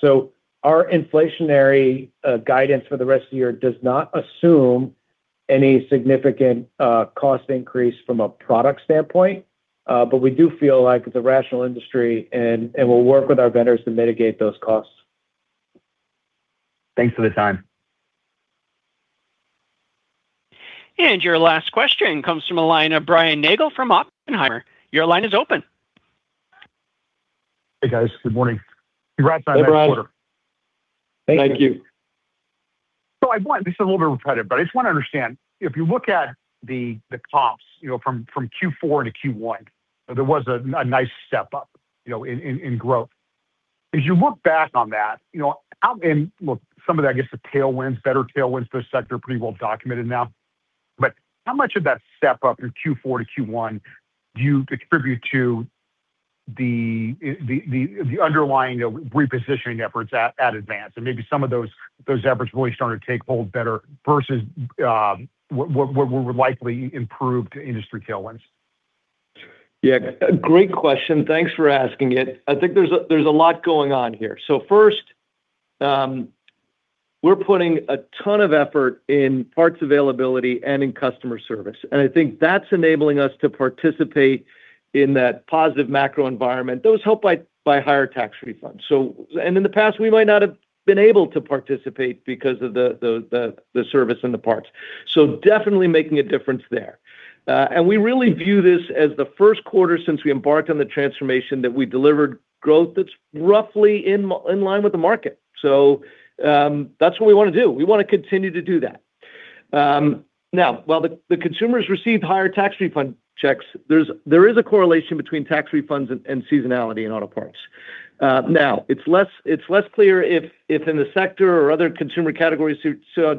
Our inflationary guidance for the rest of the year does not assume any significant cost increase from a product standpoint. We do feel like it's a rational industry and we'll work with our vendors to mitigate those costs. Thanks for the time. Your last question comes from the line of Brian Nagel from Oppenheimer. Your line is open. Hey, guys. Good morning. Congrats on a great quarter. Hey, Brian. Thank you. This is a little bit repetitive, but I just want to understand. If you look at the comps from Q4 to Q1, there was a nice step up in growth. As you look back on that, and look, some of that, I guess, the better tailwinds for the sector are pretty well documented now. How much of that step up in Q4 to Q1 do you attribute to the underlying repositioning efforts at Advance, and maybe some of those efforts really starting to take hold better versus what were likely improved industry tailwinds? Yeah, great question. Thanks for asking it. I think there's a lot going on here. First, we're putting a ton of effort in parts availability and in customer service. I think that's enabling us to participate in that positive macro environment. Those helped by higher tax refunds. In the past, we might not have been able to participate because of the service and the parts. Definitely making a difference there. We really view this as the Q1 since we embarked on the transformation that we delivered growth that's roughly in line with the market. That's what we want to do. We want to continue to do that. Now, while the consumers received higher tax refund checks, there is a correlation between tax refunds and seasonality in auto parts. It's less clear if in the sector or other consumer categories saw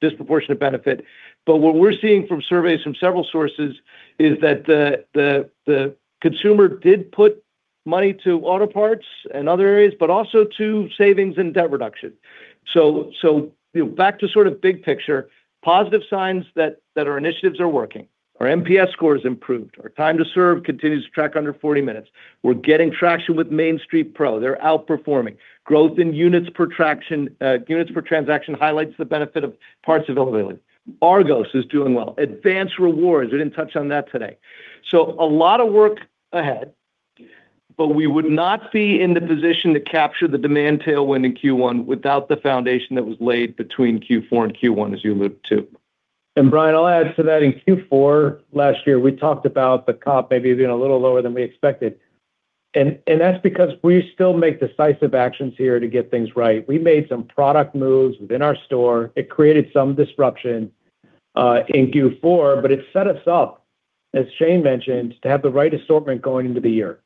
disproportionate benefit. What we're seeing from surveys from several sources is that the consumer did put money to auto parts and other areas, but also to savings and debt reduction. Back to sort of big picture, positive signs that our initiatives are working. Our NPS score has improved. Our time to serve continues to track under 40 minutes. We're getting traction with Main Street Pro. They're outperforming. Growth in units per transaction highlights the benefit of parts availability. ARGOS is doing well. Advance Rewards, we didn't touch on that today. A lot of work ahead, but we would not be in the position to capture the demand tailwind in Q1 without the foundation that was laid between Q4 and Q1, as you allude to. Brian, I'll add to that. In Q4 last year, we talked about the comp maybe being a little lower than we expected. That's because we still make decisive actions here to get things right. We made some product moves within our store. It created some disruption in Q4, but it set us up, as Shane mentioned, to have the right assortment going into the year.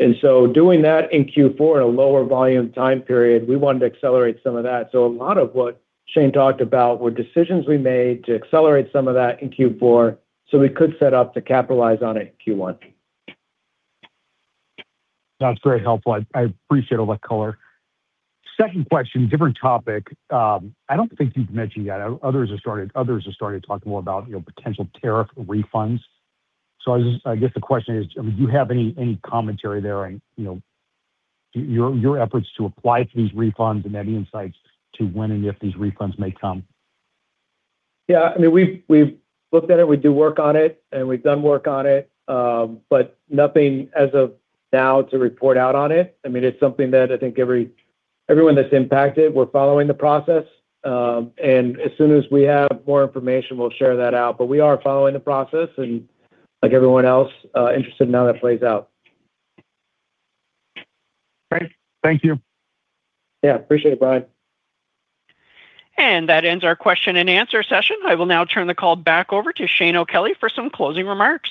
Doing that in Q4, in a lower volume time period, we wanted to accelerate some of that. A lot of what Shane talked about were decisions we made to accelerate some of that in Q4 so we could set up to capitalize on it in Q1. That's very helpful. I appreciate all that color. Second question, different topic. I don't think you've mentioned yet, others have started talking more about potential tariff refunds. I guess the question is, do you have any commentary there on your efforts to apply to these refunds and any insights to when and if these refunds may come? Yeah, we've looked at it, we do work on it, and we've done work on it. Nothing as of now to report out on it. It's something that I think everyone that's impacted, we're following the process. As soon as we have more information, we'll share that out. We are following the process and, like everyone else, interested in how that plays out. Great. Thank you. Yeah, appreciate it, Brian. That ends our question and answer session. I will now turn the call back over to Shane O'Kelly for some closing remarks.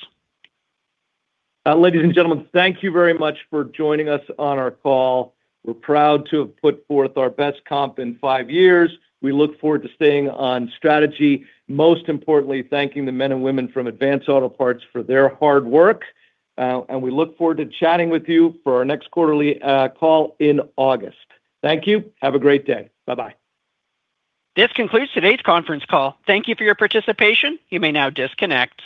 Ladies and gentlemen, thank you very much for joining us on our call. We're proud to have put forth our best comp in five years. We look forward to staying on strategy. Most importantly, thanking the men and women from Advance Auto Parts for their hard work. We look forward to chatting with you for our next quarterly call in August. Thank you. Have a great day. Bye-bye. This concludes today's conference call. Thank you for your participation. You may now disconnect.